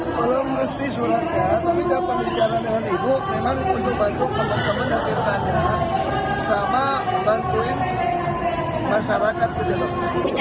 belum mesti suratnya tapi dapat bicara dengan ibu memang untuk bantu teman teman yang ikut pilkada sama bantuin masyarakat kejelang